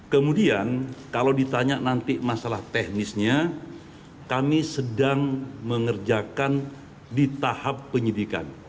kemudian kalau ditanya nanti masalah teknisnya kami sedang mengerjakan di tahap penyidikan